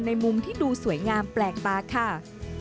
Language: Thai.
มุมที่ดูสวยงามแปลกตาค่ะ